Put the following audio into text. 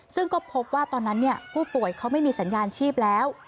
ซึ่งก็พบว่าตอนนั้นผู้ป่วยเขาไม่มีสัญญาณชีพแล้ว